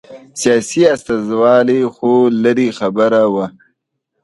سیاسي استازولي خو لرې خبره وه